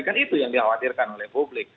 kan itu yang dikhawatirkan oleh publik